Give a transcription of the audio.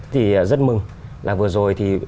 thì rất mừng là vừa rồi